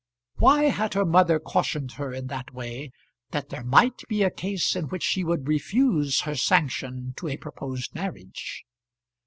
Why had her mother cautioned her in that way, that there might be a case in which she would refuse her sanction to a proposed marriage?